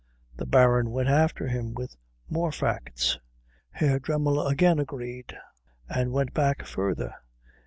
The Baron went after him with more facts. Herr Dremmel again agreed, and went back further.